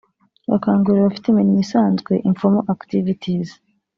bakangurira abafite imirimo isanzwe (informal activities)